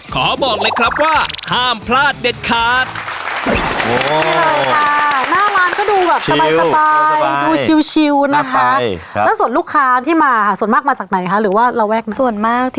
ขอบอกเลยครับว่าห้ามพลาดเด็ดขาด